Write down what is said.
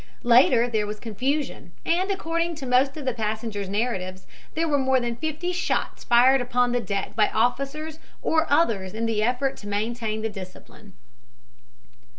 Later there was confusion, and according to most of the passengers' narratives, there were more than fifty shots fired upon the deck by officers or others in the effort to maintain the discipline.